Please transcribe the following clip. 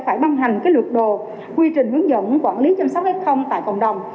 chúng tôi sẽ phải băng hành lược đồ quy trình hướng dẫn quản lý chăm sóc f tại cộng đồng